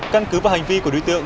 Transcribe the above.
căn cứ vào hành vi của đối tượng